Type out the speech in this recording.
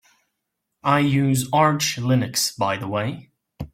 I use Arch Linux by the way.